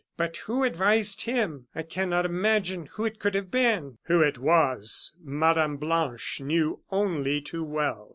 "But who advised him? I cannot imagine who it could have been." Who it was Mme. Blanche knew only too well.